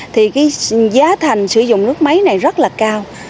thì cái giá thành sử dụng nước máy này rất là cao